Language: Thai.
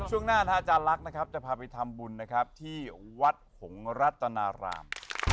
ช่วงหน้าทาจารย์ลักษณ์จะพาไปทำบุญที่วัดหงรัตนาราม